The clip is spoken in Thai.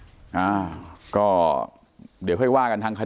ที่โพสต์ก็คือเพื่อต้องการจะเตือนเพื่อนผู้หญิงในเฟซบุ๊คเท่านั้นค่ะ